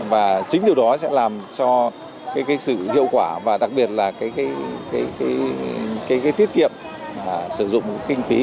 và chính điều đó sẽ làm cho sự hiệu quả và đặc biệt là tiết kiệm sử dụng kinh phí